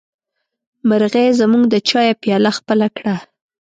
مرغۍ زموږ د چايه پياله خپله کړه.